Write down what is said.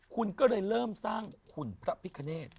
คุณก็เลยเริ่มสร้างขุนพระพิคเนต